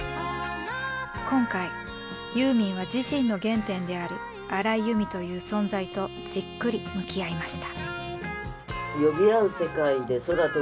今回ユーミンは自身の原点である荒井由実という存在とじっくり向き合いました。